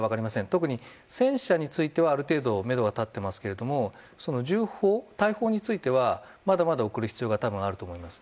特に戦車についてはある程度めどが立っていますが銃砲、大砲についてはまだまだ送る必要があると思います。